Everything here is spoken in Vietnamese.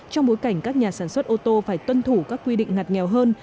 trong bối cảnh các nhà sản xuất ô tô phải tuân thủ các quy định ngặt nghèo hơn